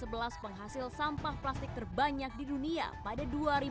penghasil sampah plastik terbanyak di dunia pada dua ribu dua